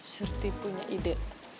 serti punya ide